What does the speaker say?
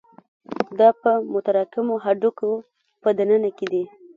دا په متراکمو هډوکو په دننه کې دي.